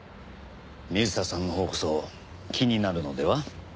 水田さんのほうこそ気になるのでは？